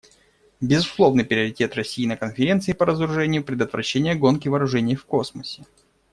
Безусловный приоритет России на Конференции по разоружению − предотвращение гонки вооружений в космосе.